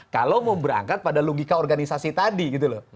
kalau mau berangkat pada logika organisasi tadi gitu loh